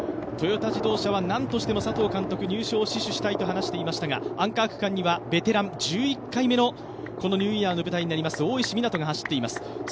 トヨタ自動車は何としても佐藤監督、入賞を死守したいと話していましたが、アンカー区間にはベテラン、１１回目のニューイヤーの舞台になります大石港与が走っています。